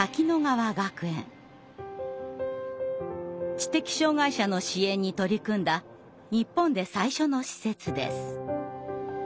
知的障害者の支援に取り組んだ日本で最初の施設です。